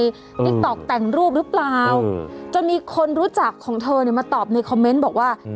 ติ๊กต๊อกแต่งรูปหรือเปล่าจนมีคนรู้จักของเธอเนี่ยมาตอบในคอมเมนต์บอกว่า